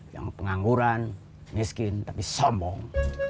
yang pengangguran miskin tapi sombong